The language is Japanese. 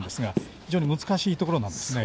非常に難しいところですね。